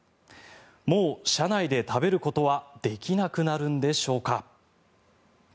もう車内で食べることはできなくなるんでしょうか。